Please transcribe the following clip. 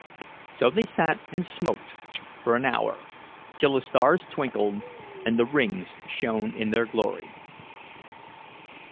So they sat and smoked for an hour, till the stars twinkled and the rings shone in their glory.